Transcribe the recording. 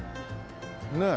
ねえ。